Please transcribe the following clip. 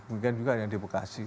mungkin juga yang di bekasi